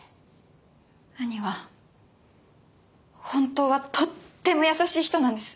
兄は本当はとっても優しい人なんです。